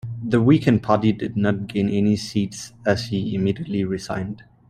The weakened party did not gain any seats and he immediately resigned.